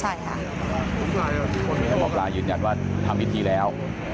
ใช่ค่ะหมอปลายืนยันว่าทำพิธีแล้ว